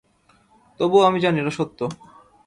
তবুও আমি জানি এটা সত্য।